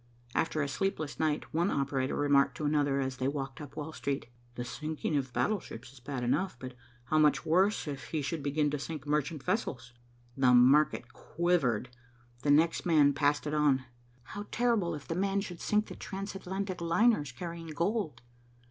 After a sleepless night one operator remarked to another, as they walked up Wall Street, "The sinking of battleships is bad enough, but how much worse if he should begin to sink merchant vessels." The market quivered. The next man passed it on. "How terrible if 'the man' should sink the transatlantic liners carrying gold."